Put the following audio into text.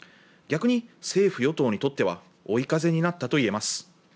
逆に政府・与党にとっては追い風になったといえます。